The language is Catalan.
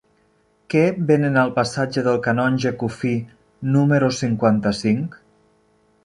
Què venen al passatge del Canonge Cuffí número cinquanta-cinc?